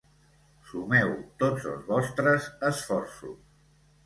Sumeu tots els vostres esforços.